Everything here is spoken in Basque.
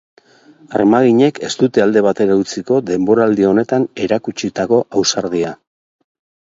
Armaginek ez dute alde batera utziko denboraldi honetan erakutsitako ausardia.